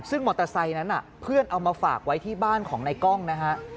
ซึ่งมอเตอร์ไซค์นั้นเพื่อนเอามาฝากไว้ที่บ้านของในกล้องนะฮะ